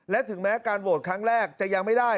และถึงแม้การโหวตครั้งแรกจะยังไม่ได้